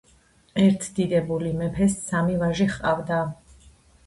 ერთ დიდებული მეფეს სამი ვაჟი ჰყავდა